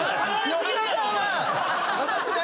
吉田さんは私ね。